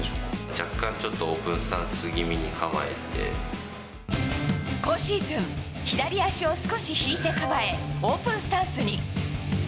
若干、ちょっとオープンスタ今シーズン、左足を少し引いて構え、オープンスタンスに。